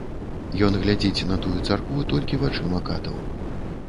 Ён глядзіць на тую царкву толькі вачыма катаў.